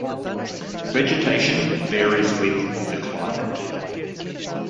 Vegetation varies with the climate.